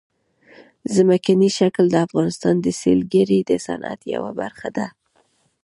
ځمکنی شکل د افغانستان د سیلګرۍ د صنعت یوه برخه ده.